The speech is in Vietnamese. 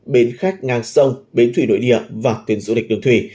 bến khách ngang sông bến thủy nội địa và tuyển dụ lịch đường thủy